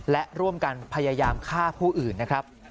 และร่วมกันพยายามฆ่าผู้อื่นนะครับ